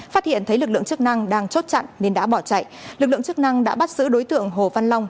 phát hiện thấy lực lượng chức năng đang chốt chặn nên đã bỏ chạy lực lượng chức năng đã bắt giữ đối tượng hồ văn long